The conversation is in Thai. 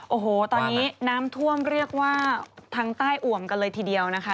โอ้โหตอนนี้น้ำท่วมเรียกว่าทางใต้อ่วมกันเลยทีเดียวนะคะ